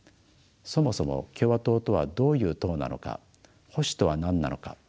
そもそも「共和党とはどういう党なのか」「保守とは何なのか」。